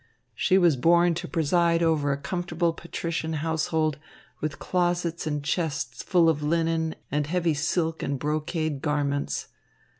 She was born to preside over a comfortable patrician household, with closets and chests full of linen and heavy silk and brocade garments.